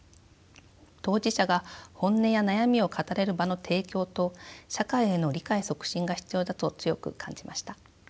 当事者が本音や悩みを語れる場の提供と社会への理解促進が必要だと強く感じました。